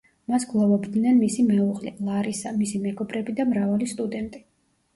მას გლოვობდნენ მისი მეუღლე, ლარისა, მისი მეგობრები და მრავალი სტუდენტი.